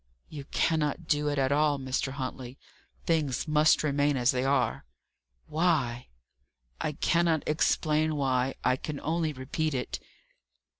"You cannot do it at all, Mr. Huntley. Things must remain as they are." "Why?" "I cannot explain why. I can only repeat it."